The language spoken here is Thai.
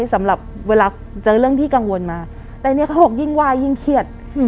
สำหรับเวลาเจอเรื่องที่กังวลมาแต่เนี่ยเขาบอกยิ่งไหว้ยิ่งเครียด